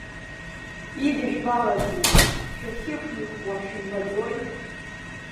Идыжәбалазеи, шәахьықәихуа шәымбаӡои?